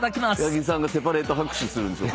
八木さんがセパレート拍手するんですよ